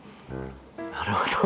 なるほど。